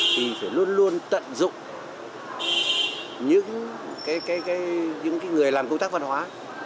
thì phải luôn luôn tận dụng những người làm công tác văn hóa